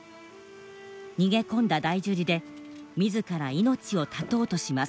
逃げ込んだ大樹寺で自ら命を絶とうとします。